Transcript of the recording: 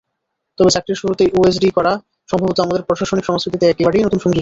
তবে চাকরির শুরুতেই ওএসডি করা সম্ভবত আমাদের প্রশাসনিক সংস্কৃতিতে একেবারেই নতুন সংযোজন।